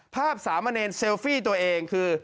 ภาพสามันเนยนเซลฟี่ตัวเองคือ